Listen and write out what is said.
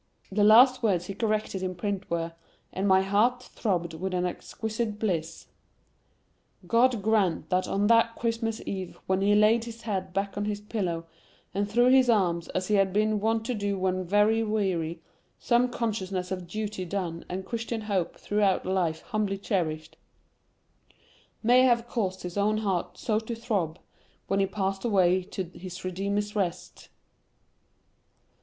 The last words he corrected in print were, "And my heart throbbed with an exquisite bliss". GOD grant that on that Christmas Eve when he laid his head back on his pillow and threw up his arms as he had been wont to do when very weary, some consciousness of duty done and Christian hope throughout life humbly cherished, may have caused his own heart so to throb, when he passed away to his Redeemer's rest!